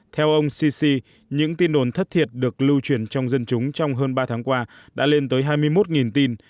theo ông sisi những tin đồn thất thiệt được lưu truyền trong dân chúng trong hơn ba tháng qua đã lên tới hai mươi một tin